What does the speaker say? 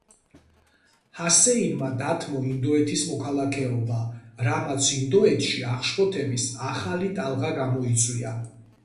ჰასეინმა დათმო ინდოეთის მოქალაქეობა, რამაც ინდოეთში აღშფოთების ახალი ტალღა გამოიწვია.